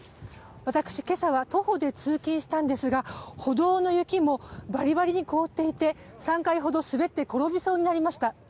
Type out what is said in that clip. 私、今朝は徒歩で通勤したんですが歩道の雪もバリバリに凍っていて３回ほど滑って転びそうになりました。